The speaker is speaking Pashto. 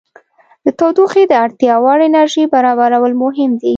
د تودوخې د اړتیا وړ انرژي برابرول مهم دي.